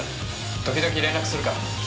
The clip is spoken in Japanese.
時々連絡するから。